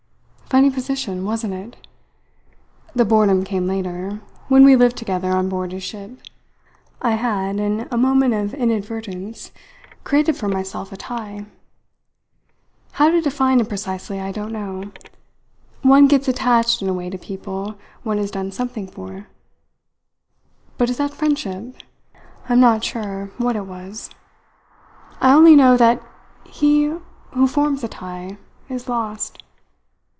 Funny position, wasn't it? The boredom came later, when we lived together on board his ship. I had, in a moment of inadvertence, created for myself a tie. How to define it precisely I don't know. One gets attached in a way to people one has done something for. But is that friendship? I am not sure what it was. I only know that he who forms a tie is lost.